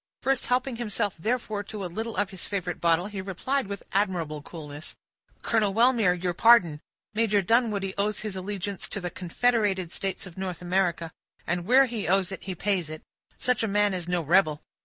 First helping himself, therefore, to a little of his favorite bottle, he replied with admirable coolness,— "Colonel Wellmere, your pardon; Major Dunwoodie owes his allegiance to the confederated states of North America, and where he owes it he pays it. Such a man is no rebel.